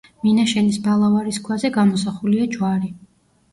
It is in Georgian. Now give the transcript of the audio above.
მინაშენის ბალავარის ქვაზე გამოსახულია ჯვარი.